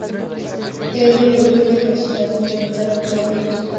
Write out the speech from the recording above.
Es de urgente necesidad implementar un plan de conservación de la especie.